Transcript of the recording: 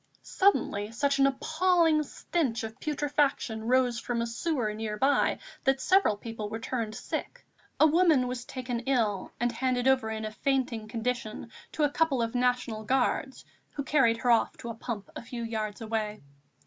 Suddenly such an appalling stench of putrefaction rose from a sewer near by that several people were turned sick; a woman was taken ill and handed over in a fainting condition to a couple of National Guards, who carried her off to a pump a few yards away.